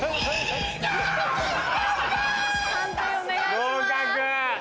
合格。